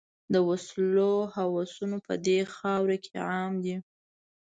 د وسلو هوسونه په دې خاوره کې عام دي.